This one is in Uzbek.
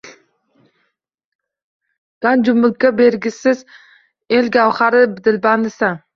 Ganju mulkka bergisiz el gavhari, dilbandisan.